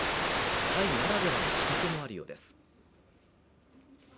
タイならではの仕掛けもあるようです。